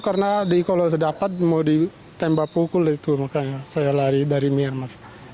karena kalau sedapat mau ditembak pukul itu makanya saya lari dari myanmar